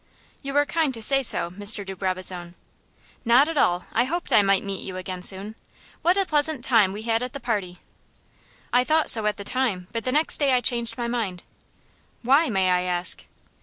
"You are kind to say so, Mr. de Brabazon." "Not at all. I hoped I might meet you again soon. What a pleasant time we had at the party." "I thought so at the time, but the next day I changed my mind." "Why, may I ask?"